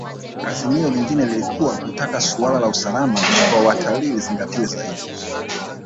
Azimio lingine lilikuwa kutaka suala la usalama wa watalii lizingatiwe zaidi